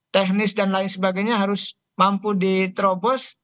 teknis dan lain sebagainya harus mampu diterobos